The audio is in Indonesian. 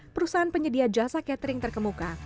perusahaan penyedia jasa catering terkemuka